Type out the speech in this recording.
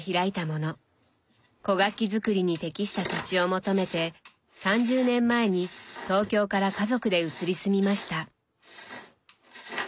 古楽器作りに適した土地を求めて３０年前に東京から家族で移り住みました。